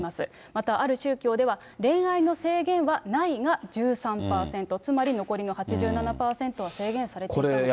またある宗教では、恋愛の制限はないが１３％、つまり残りの８７％は制限されていたのでは。